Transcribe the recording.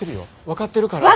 分かってるから。